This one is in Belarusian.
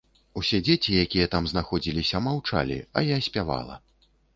Усе дзеці, якія там знаходзіліся, маўчалі, а я спявала.